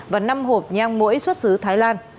và năm hộp nhang mũi xuất xứ thái lan